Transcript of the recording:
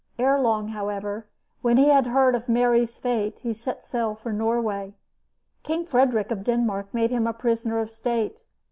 Ere long, however, when he had learned of Mary's fate, he set sail for Norway. King Frederick of Denmark made him a prisoner of state.